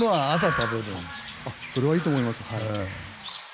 それはいいと思います。